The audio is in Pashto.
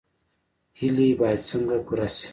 هیلې باید څنګه پوره شي؟